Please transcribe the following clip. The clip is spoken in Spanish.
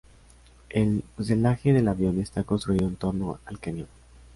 El fuselaje del avión está construido en torno al cañón.